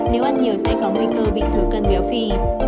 nếu ăn nhiều sẽ có nguy cơ bệnh thứ cân béo phi